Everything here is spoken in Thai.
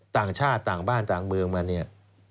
ต่างชาติต่างบ้านต่างเมืองมาเนี่ย